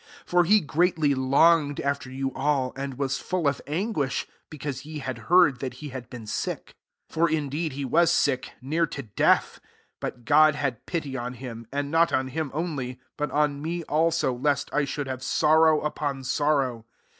26 For he greatly longed after you all, and was full of anguish, be cause ye had heard that he had been sick. 27 For indeed he was sick near to death : but God had pity on him ; and not on bim only, but on me also, lest I should have sorrow upon sor row.